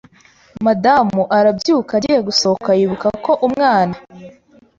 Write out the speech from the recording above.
madamu arabyuka agiye gusohoka yibuka ko umwana